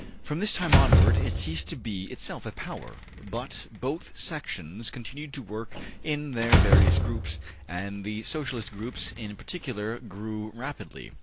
From this time onward, it ceased to be itself a power, but both sections continued to work in their various groups, and the Socialist groups in particular grew rapidly.